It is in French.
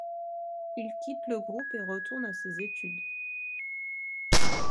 Il quitte le groupe et retourne à ses études.